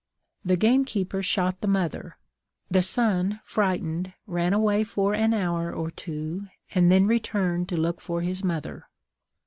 The gamekeeper shot the mother; the son, frightened, ran away for an hour or two, and then returned to look for his mother.